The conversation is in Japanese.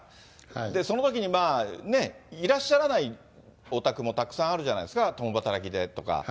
そのときにいらっしゃらないお宅もたくさんあるじゃないですか、共働きでとか。